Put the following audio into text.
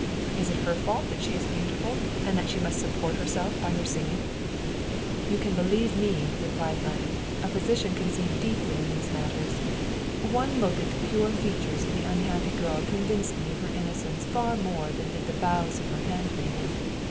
Is it her fault that she is beautiful, and that she must support herself by her singing?" " You can believe me," replied Lange, " a physician can see deeply in these matters. One look at the pure features of the unhappy girl convinced me of her innocence far more than did the vows of her handmaiden.